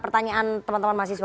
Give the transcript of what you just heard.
pertanyaan teman teman mahasiswa